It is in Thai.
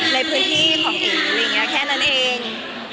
ในพื้นที่ของ